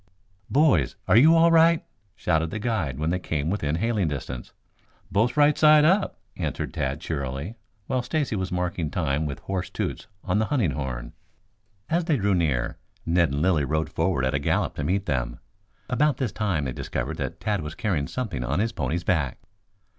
"Boys, are you all right?" shouted the guide when they came within hailing distance. "Both right side up," answered Tad cheerily, while Stacy was marking time with hoarse toots on the hunting horn. As they drew near, Ned and Lilly rode forward at a gallop to meet them. About this time they discovered that Tad was carrying something on his pony's back.